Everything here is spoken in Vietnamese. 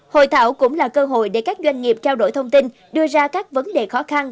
hội thảo cũng là cơ hội để các doanh nghiệp trao đổi thông tin đưa ra các vấn đề khó khăn